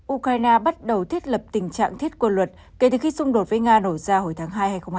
ukraine bắt đầu thiết lập tình trạng thiết quân luật kể từ khi xung đột với nga nổ ra hồi tháng hai hai nghìn hai mươi